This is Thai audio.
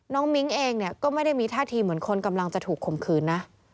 มิ้งเองเนี่ยก็ไม่ได้มีท่าทีเหมือนคนกำลังจะถูกข่มขืนนะ